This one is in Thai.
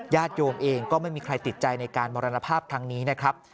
ญาติโยมเองก็ไม่มีใครติดใจในการมรณภาพครั้งนี้นะครับ